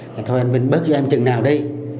thì thôi anh vinh bớt cho em chừng nào đi